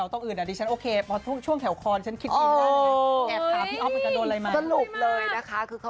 โดนใครทำอะไรบ้างค่ะ